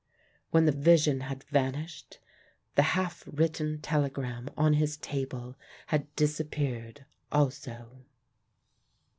When the vision had vanished, the half written telegram on his table had disappeared also.